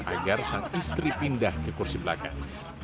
agar sang istri pindah ke kursi belakang